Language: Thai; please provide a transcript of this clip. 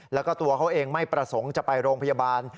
แล้วก็ตัวเขาเองไม่ประสงค์จะไปโรงพยาบาล